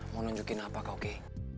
mau nunjukin apa kak oki